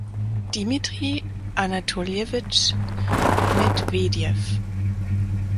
Dimitri Anatoljewitsch Medwedew